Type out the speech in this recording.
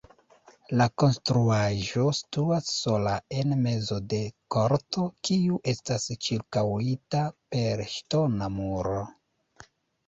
La konstruaĵo situas sola en mezo de korto, kiu estas ĉirkaŭita per ŝtona muro.